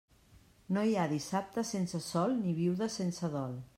No hi ha dissabte sense sol ni viuda sense dol.